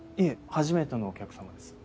初めてのお客様です。